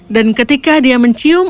dan ketika dia mencium